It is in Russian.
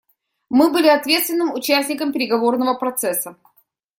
Мы были ответственным участником переговорного процесса.